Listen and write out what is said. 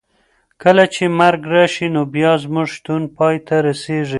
کله چې مرګ راشي نو بیا زموږ شتون پای ته رسېږي.